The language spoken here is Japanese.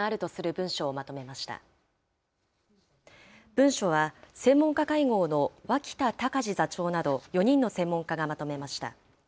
文書は、専門家会合の脇田隆字座長など、４人の専門家がまとめました。